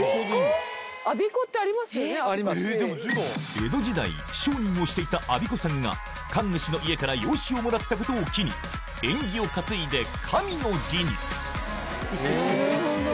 江戸時代商人をしていた安孫子さんが神主の家から養子をもらったことを機に縁起を担いで「神」の字になるほど。